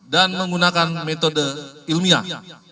dan menggunakan metode ilmiah